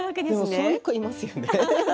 でもそういう子いますよね。